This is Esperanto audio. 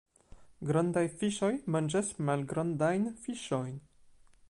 Grandaj fiŝoj manĝas malgrandajn fiŝojn.